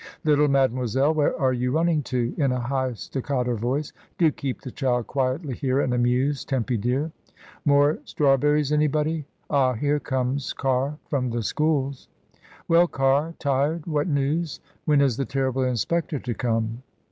Little mademoiselle, where are you running to?" in a high staccato voice. "Do keep the child quietly here and amused, Tempy dear. More strawberries, anybody? Ah! here comes Car from the schools. Well, Car, tired? What news? When is the terrible inspector to come?"